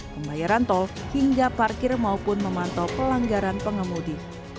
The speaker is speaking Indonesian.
pembayaran tol hingga parkir maupun memantau pelanggaran pengemudi